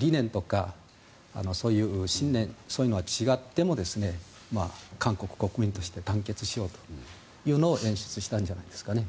理念とかそういう信念そういうのは違っても韓国国民として団結しようというのを演出したんじゃないですかね。